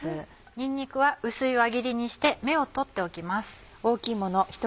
にんにくは薄い輪切りにして芽を取っておきます。